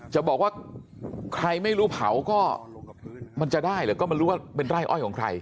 จะบอกว่าใครไม่รู้เผาก็มันจะได้เหรอก็ไม่รู้ว่าเป็นไร่อ้อยของใคร